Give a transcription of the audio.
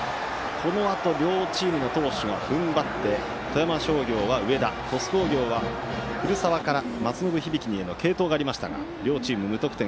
このあと両チーム投手が踏ん張って富山商業は上田鳥栖工業は古澤から松延響への継投がありましたが両チーム、無得点。